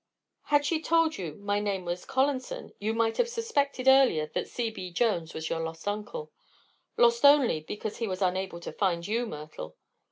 Had she told you my name was Collanson you might have suspected earlier that 'C.B. Jones' was your lost uncle. Lost only because he was unable to find you, Myrtle.